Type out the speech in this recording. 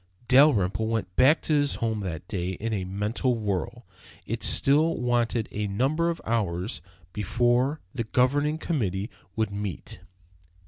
Dalrymple went back to his home that day in a mental whirl. It still wanted a number of hours before the Governing Committee would meet.